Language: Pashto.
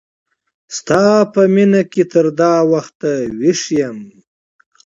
ستا په مینه کی تر دا وخت ویښ یم